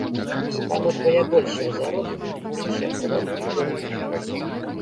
Там удвая большыя заробкі, меншыя падаткі і бюракратыя.